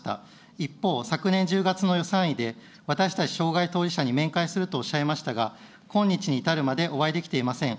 一方、昨年１０月の予算委で、私たち障害当事者に面会するとおっしゃいましたが、今日に至るまでお会いできていません。